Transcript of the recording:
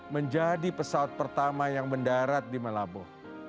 menjadi pesawat pertama yang mendarat di melabuh